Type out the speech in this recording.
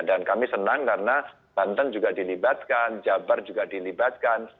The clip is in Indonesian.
dan kami senang karena banten juga dilibatkan jabar juga dilibatkan